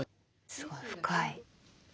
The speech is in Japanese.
すごい深い。